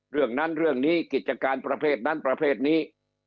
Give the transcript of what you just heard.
เรื่องนั้นเรื่องนี้กิจการประเภทนั้นประเภทนี้